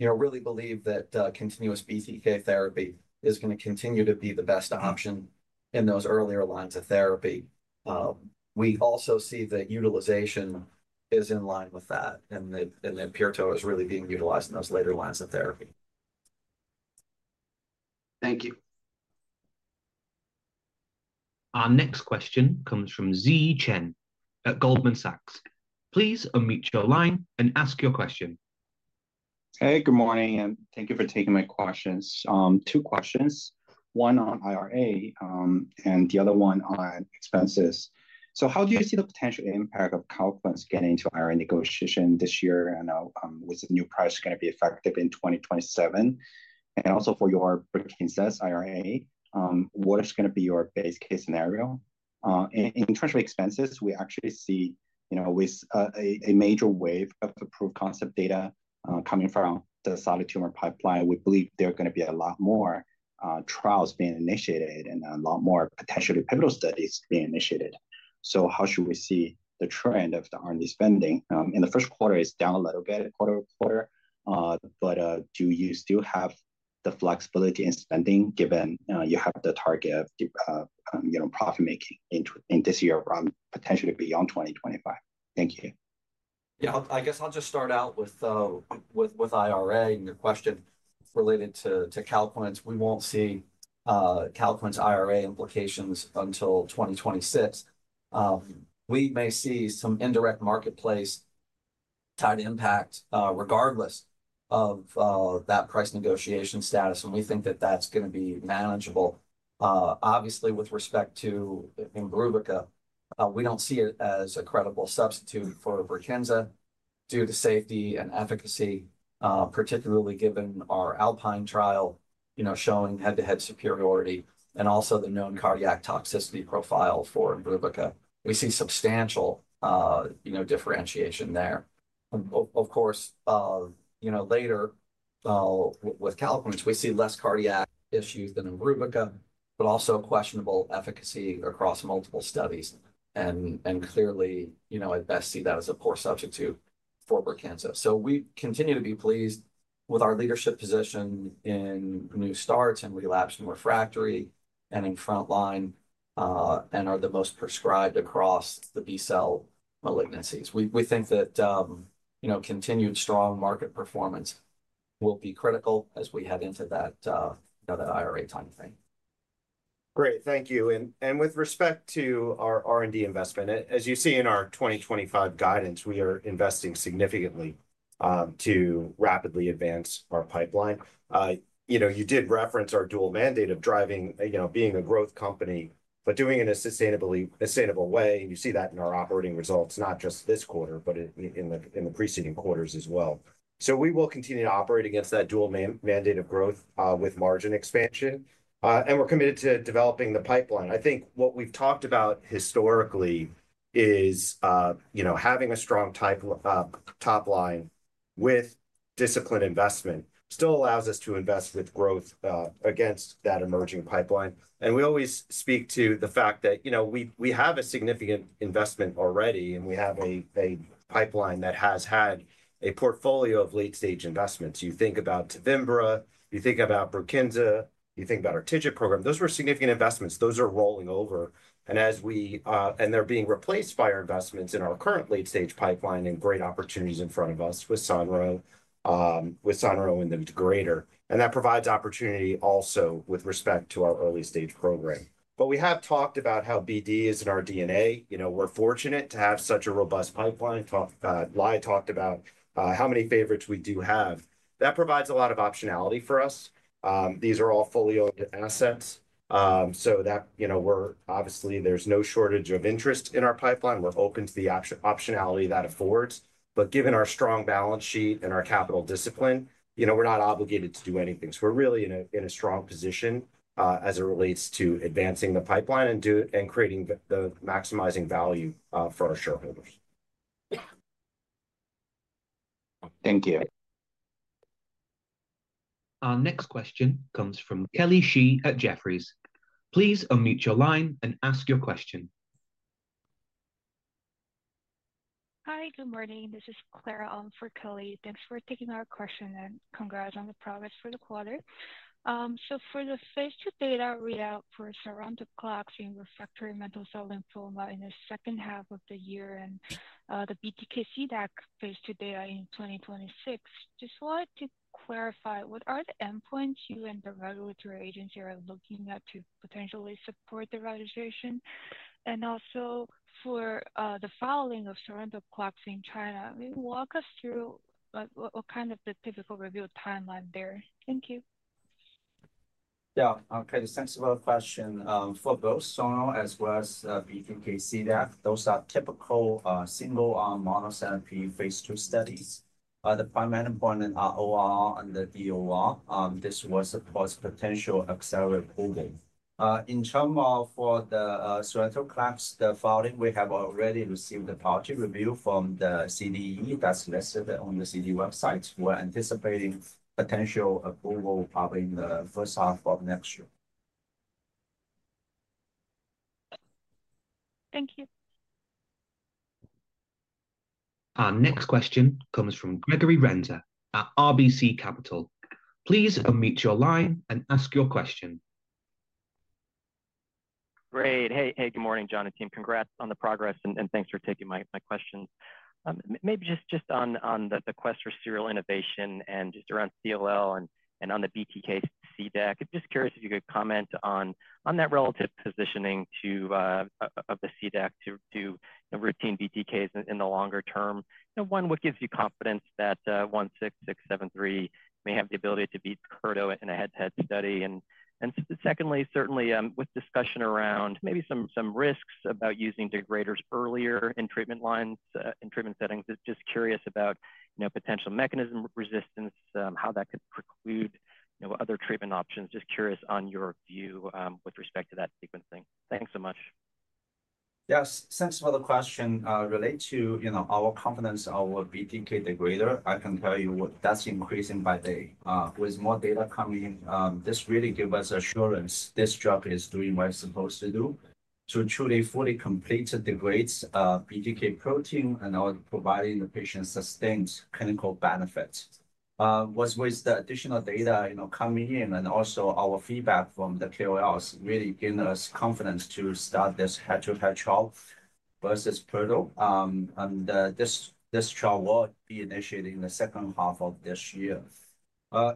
You know, really believe that continuous BTK therapy is going to continue to be the best option in those earlier lines of therapy. We also see that utilization is in line with that and that Brukinsa is really being utilized in those later lines of therapy. Thank you. Our next question comes from Ziyi Chen at Goldman Sachs. Please unmute your line and ask your question. Hey, good morning and thank you for taking my questions. Two questions. One on IRA and the other one on expenses. How do you see the potential impact of CalPLANS getting into IRA negotiation this year and with the new price going to be effective in 2027? Also, for your Brukinsa's IRA, what is going to be your base case scenario? In terms of expenses, we actually see, you know, with a major wave of the proof of concept data coming from the solid tumor pipeline, we believe there are going to be a lot more trials being initiated and a lot more potentially pivotal studies being initiated. How should we see the trend of the R&D spending? In the first quarter, it's down a little bit, quarter to quarter, but do you still have the flexibility in spending given you have the target of, you know, profit-making in this year around potentially beyond 2025? Thank you. Yeah, I guess I'll just start out with IRA and your question related to CalPLANS. We won't see CalPLANS IRA implications until 2026. We may see some indirect marketplace tied impact regardless of that price negotiation status. We think that that's going to be manageable. Obviously, with respect to Imbruvica, we don't see it as a credible substitute for Brukinsa due to safety and efficacy, particularly given our ALPINE trial, you know, showing head-to-head superiority and also the known cardiac toxicity profile for Imbruvica. We see substantial, you know, differentiation there. Of course, you know, later with CalPLANS, we see less cardiac issues than Imbruvica, but also questionable efficacy across multiple studies. Clearly, you know, I'd best see that as a poor substitute for Brukinsa. We continue to be pleased with our leadership position in new starts and relapsed and refractory and in front line and are the most prescribed across the B cell malignancies. We think that, you know, continued strong market performance will be critical as we head into that IRA timeframe. Great. Thank you. With respect to our R&D investment, as you see in our 2025 guidance, we are investing significantly to rapidly advance our pipeline. You know, you did reference our dual mandate of driving, you know, being a growth company, but doing it in a sustainable way. You see that in our operating results, not just this quarter, but in the preceding quarters as well. We will continue to operate against that dual mandate of growth with margin expansion. We're committed to developing the pipeline. I think what we've talked about historically is, you know, having a strong top line with disciplined investment still allows us to invest with growth against that emerging pipeline. And we always speak to the fact that, you know, we have a significant investment already and we have a pipeline that has had a portfolio of late-stage investments. You think about Tevimbra, you think about Brukinsa, you think about our TIGIT program. Those were significant investments. Those are rolling over. As we, and they're being replaced by our investments in our current late-stage pipeline and great opportunities in front of us with sonrotoclax, with sonrotoclax and the degrader. That provides opportunity also with respect to our early-stage program. But we have talked about how BD is in our DNA. You know, we're fortunate to have such a robust pipeline. Lai talked about how many favorites we do have. That provides a lot of optionality for us. These are all fully owned assets. You know, we're obviously, there's no shortage of interest in our pipeline. We're open to the optionality that affords. Given our strong balance sheet and our capital discipline, you know, we're not obligated to do anything. We're really in a strong position as it relates to advancing the pipeline and creating the maximizing value for our shareholders. Thank you. Our next question comes from Kelly Xi at Jefferies. Please unmute your line and ask your question. Hi, good morning. This is Clara Allen for Kelly. Thanks for taking our question and congrats on the progress for the quarter. For the phase II data readout for sonrotoclax in refractory mantle cell lymphoma in the second half of the year and the BTK degrader phase II data in 2026, just wanted to clarify, what are the endpoints you and the regulatory agency are looking at to potentially support the registration? Also, for the filing of sonrotoclax in China, walk us through what kind of the typical review timeline is there. Thank you. Yeah, okay. Sensible question. For both Sonrotoclax as well as BTKCDAC, those are typical single monotherapy phase II studies. The primary endpoint are ORR and the DOR. This was supposed to potentially accelerate approval. In terms of for the Sonrotoclax, the following, we have already received the policy review from the CDE that's listed on the CDE website. We're anticipating potential approval probably in the first half of next year. Thank you. Our next question comes from Gregory Renza at RBC Capital. Please unmute your line and ask your question. Great. Hey, hey, good morning, John and team. Congrats on the progress and thanks for taking my questions. Maybe just on the Quest for Serial Innovation and just around CLL and on the BTKCDAC, I'm just curious if you could comment on that relative positioning of the CDAC to routine BTKs in the longer term. One, what gives you confidence that 16673 may have the ability to beat Purdue in a head-to-head study? Secondly, certainly with discussion around maybe some risks about using degraders earlier in treatment lines, in treatment settings, just curious about potential mechanism resistance, how that could preclude other treatment options. Just curious on your view with respect to that sequencing. Thanks so much. Yeah, sensible question relates to, you know, our confidence, our BTK degrader. I can tell you that's increasing by day. With more data coming, this really gives us assurance this drug is doing what it's supposed to do to truly fully complete the degrades BTK protein and providing the patient sustained clinical benefits. With the additional data, you know, coming in and also our feedback from the KOLs really giving us confidence to start this head-to-head trial versus Brukinsa and this trial will be initiated in the second half of this year.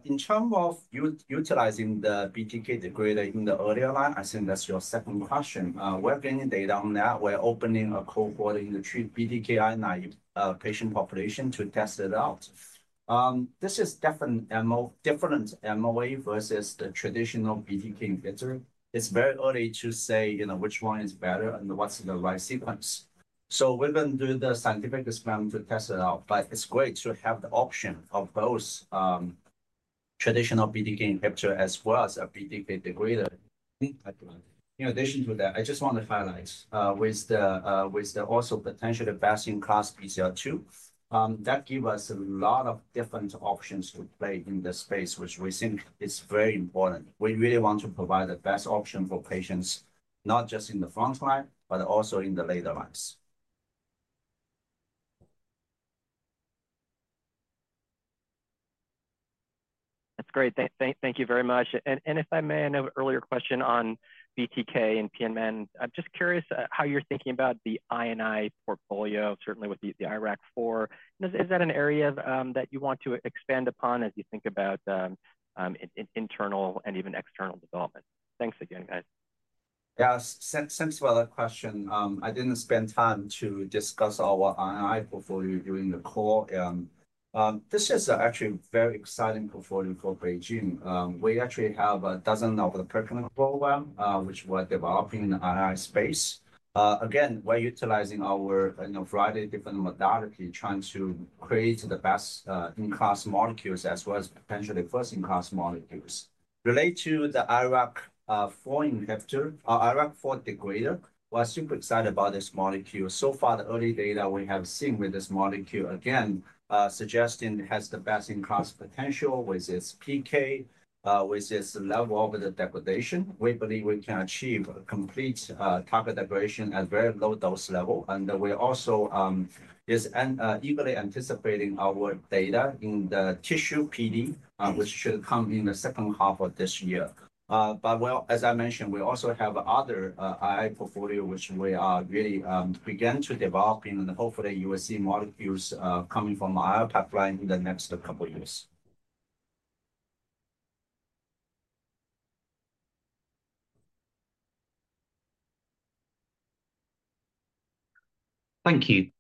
In terms of utilizing the BTK degrader in the earlier line, I think that's your second question. We're getting data on that. We're opening a cohort in the BTKI-naive patient population to test it out. This is definitely a different MOA versus the traditional BTK inhibitor. It's very early to say, you know, which one is better and what's the right sequence. We are going to do the scientific experiment to test it out, but it's great to have the option of both traditional BTK inhibitor as well as a BTK degrader. In addition to that, I just want to highlight with the also potentially best-in-class BCL2, that gives us a lot of different options to play in the space, which we think is very important. We really want to provide the best option for patients, not just in the front line, but also in the later lines. That's great. Thank you very much. If I may, I know earlier question on BTK and PNMN, I'm just curious how you're thinking about the INI portfolio, certainly with the IRAC4. Is that an area that you want to expand upon as you think about internal and even external development? Thanks again, guys. Yeah, sensible question. I didn't spend time to discuss our INI portfolio during the call. This is actually a very exciting portfolio for BeOne Medicines. We actually have a dozen of the perkinsein program, which we're developing in the INI space. Again, we're utilizing our, you know, variety of different modalities trying to create the best in-class molecules as well as potentially first-in-class molecules. Related to the IRAK4 inhibitor, IRAK4 degrader, we're super excited about this molecule. So far, the early data we have seen with this molecule, again, suggesting it has the best-in-class potential with its PK, with its level of the degradation. We believe we can achieve a complete target degradation at a very low dose level. We also is eagerly anticipating our data in the tissue PD, which should come in the second half of this year. As I mentioned, we also have other INI portfolio, which we are really beginning to develop and hopefully you will see molecules coming from our pipeline in the next couple of years. Thank you.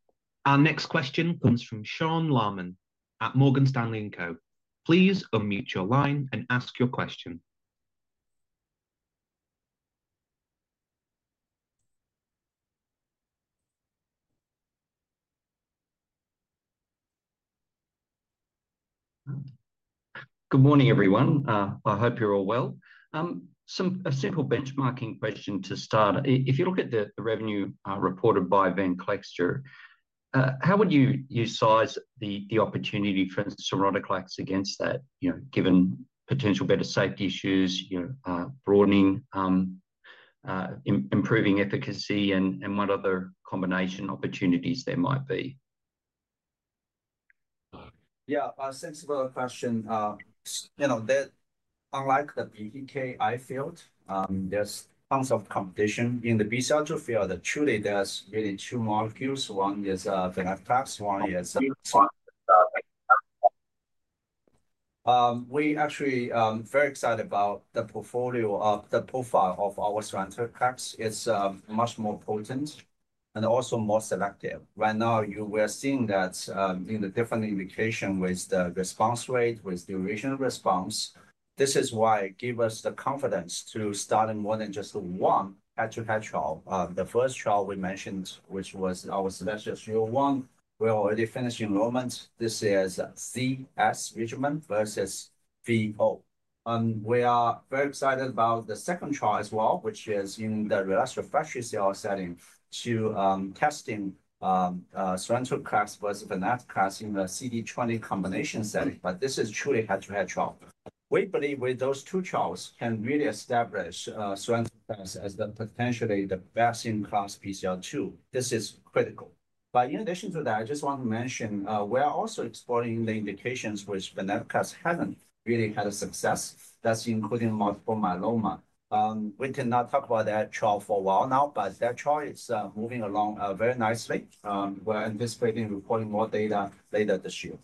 Our next question comes from Sean Laaman at Morgan Stanley. Please unmute your line and ask your question. Good morning, everyone. I hope you're all well. A simple benchmarking question to start. If you look at the revenue reported by Venclexta, how would you size the opportunity for surrounded clots against that, you know, given potential better safety issues, you know, broadening, improving efficacy, and what other combination opportunities there might be? Yeah, sensible question. You know, unlike the BTK inhibitor field, there's tons of competition. In the BCL2 field, truly there's really two molecules. One is venetoclax, one is. We actually are very excited about the profile of our sonrotoclax. It's much more potent and also more selective. Right now, we are seeing that in the different indication with the response rate, with duration response. This is why it gives us the confidence to start more than just one head-to-head trial. The first trial we mentioned, which was our selective serial one, we're already finished enrollment. This is CS regimen versus VO. We are very excited about the second trial as well, which is in the relapsed refractory CLL setting testing sonrotoclax versus venetoclax in the CD20 combination setting. This is truly head-to-head trial. We believe with those two trials can really establish sonrotoclax as potentially the best-in-class BCL2. This is critical. In addition to that, I just want to mention we're also exploring the indications which venetoclax haven't really had a success. That's including multiple myeloma. We cannot talk about that trial for a while now, but that trial is moving along very nicely. We're anticipating reporting more data later this year.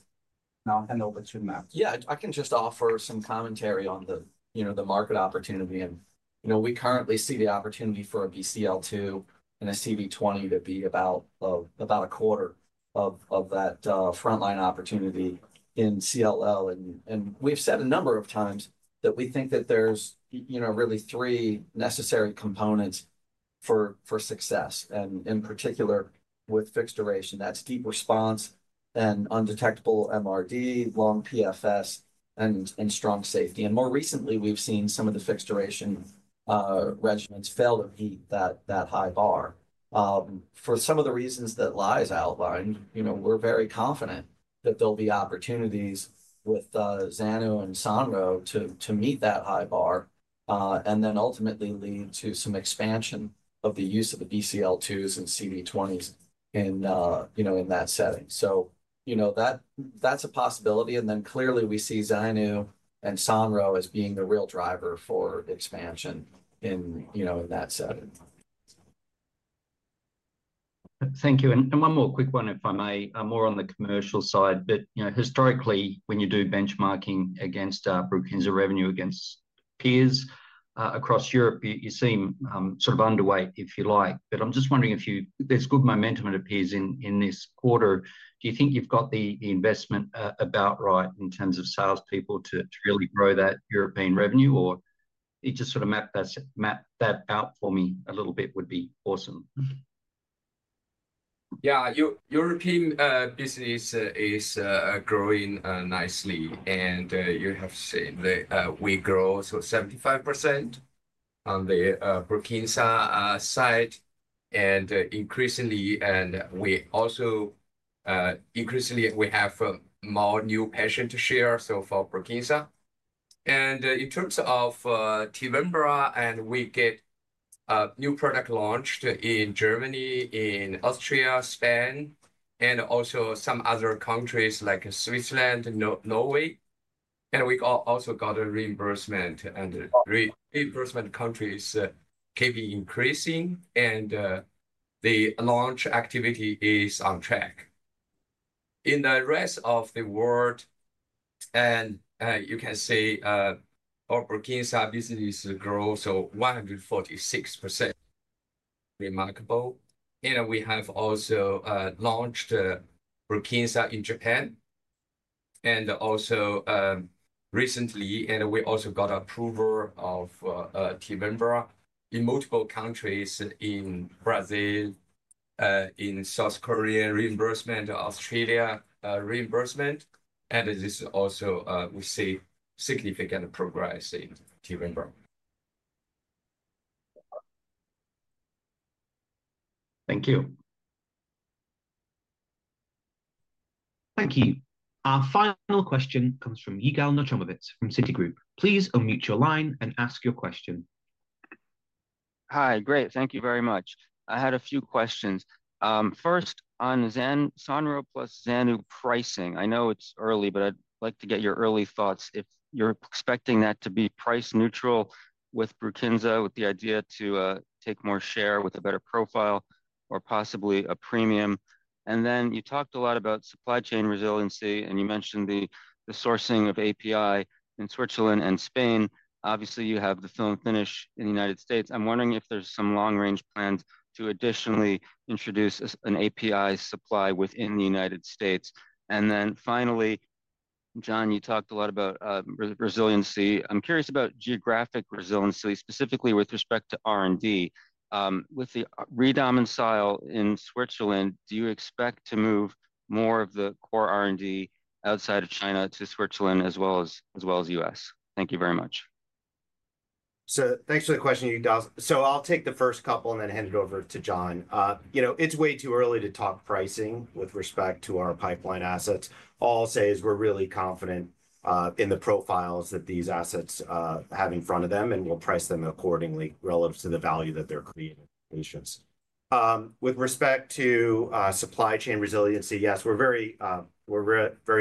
Now I'll hand over to Matt. Yeah, I can just offer some commentary on the, you know, the market opportunity. And, you know, we currently see the opportunity for a BCL2 and a CD20 to be about a quarter of that front line opportunity in CLL. And we've said a number of times that we think that there's, you know, really three necessary components for success. In particular, with fixed duration, that's deep response and undetectable MRD, long PFS, and strong safety. More recently, we've seen some of the fixed duration regimens fail to meet that high bar. For some of the reasons that Lai's outlined, you know, we're very confident that there'll be opportunities with Xano and Sonro to meet that high bar and then ultimately lead to some expansion of the use of the BCL2s and CD20s in, you know, in that setting. You know, that's a possibility. Clearly we see Xano and sonrotoclax as being the real driver for expansion in, you know, in that setting. Thank you. And one more quick one, if I may, more on the commercial side. You know, historically, when you do benchmarking against Brukinsa revenue against peers across Europe, you seem sort of underweight, if you like. I'm just wondering if you, there's good momentum it appears in this quarter. Do you think you've got the investment about right in terms of salespeople to really grow that European revenue? Could you just sort of map that out for me a little bit would be awesome. Yeah, European business is growing nicely. You have seen that we grow also 75% on the Brukinsa side. We also increasingly have more new patients to share for Brukinsa. In terms of Tevimbra, we get new product launched in Germany, Austria, Spain, and also some other countries like Switzerland and Norway. We also got a reimbursement, and reimbursement countries can be increasing, and the launch activity is on track. In the rest of the world, you can say our Brukinsa business grows 146%. Remarkable. We have also launched Brukinsa in Japan. Also recently, we got approval of Tevimbra in multiple countries in Brazil, in South Korea, reimbursement, Australia reimbursement. This is also, we see significant progress in Tevimbra. Thank you. Thank you. Our final question comes from Yigal Nochomovitz from Citigroup. Please unmute your line and ask your question. Hi, great. Thank you very much. I had a few questions. First on Sonro plus Xanu pricing. I know it's early, but I'd like to get your early thoughts if you're expecting that to be price neutral with Brukinsa, with the idea to take more share with a better profile or possibly a premium. You talked a lot about supply chain resiliency, and you mentioned the sourcing of API in Switzerland and Spain. Obviously, you have the film finish in the U.S. I'm wondering if there's some long-range plans to additionally introduce an API supply within the U.S. Finally, John, you talked a lot about resiliency. I'm curious about geographic resiliency, specifically with respect to R&D. With the re-domicile in Switzerland, do you expect to move more of the core R&D outside of China to Switzerland as well as the U.S.? Thank you very much. Thank you for the question, Yigal. I'll take the first couple and then hand it over to John. You know, it's way too early to talk pricing with respect to our pipeline assets. All I'll say is we're really confident in the profiles that these assets have in front of them, and we'll price them accordingly relative to the value that they're creating for patients. With respect to supply chain resiliency, yes, we're very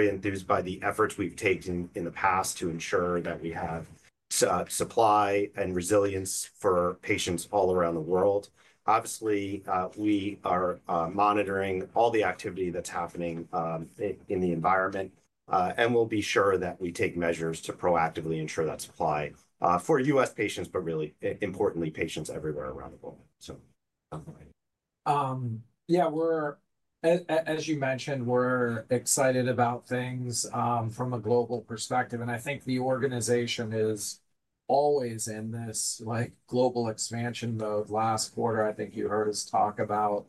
enthused by the efforts we've taken in the past to ensure that we have supply and resilience for patients all around the world. Obviously, we are monitoring all the activity that's happening in the environment, and we'll be sure that we take measures to proactively ensure that supply for U.S. patients, but really importantly, patients everywhere around the world. Yeah, we're, as you mentioned, we're excited about things from a global perspective. I think the organization is always in this global expansion mode. Last quarter, I think you heard us talk about,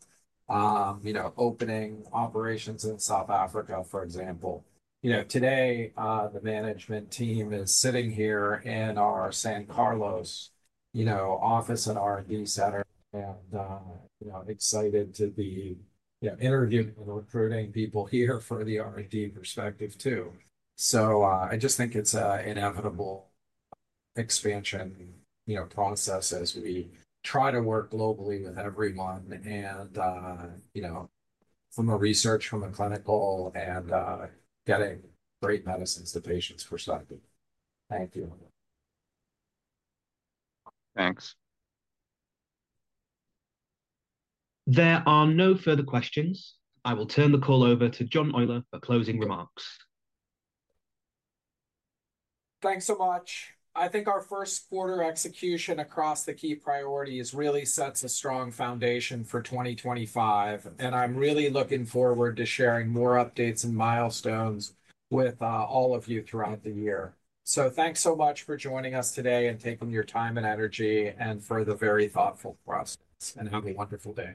you know, opening operations in South Africa, for example. You know, today, the management team is sitting here in our San Carlos, you know, office and R&D center and, you know, excited to be, you know, interviewing and recruiting people here for the R&D perspective too. I just think it's an inevitable expansion, you know, process as we try to work globally with everyone and, you know, from a research, from a clinical, and getting great medicines to patients for some people. Thank you. Thanks. There are no further questions. I will turn the call over to John Oyler for closing remarks. Thanks so much. I think our first quarter execution across the key priorities really sets a strong foundation for 2025. I'm really looking forward to sharing more updates and milestones with all of you throughout the year. Thanks so much for joining us today and taking your time and energy and for the very thoughtful process. Have a wonderful day.